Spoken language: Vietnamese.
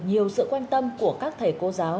nhiều sự quan tâm của các thầy cô giáo